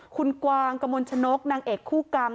คุณกวางกมลชนกนางเอกคู่กรรม